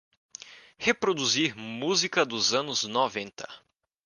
Reproduzir música dos anos noventa.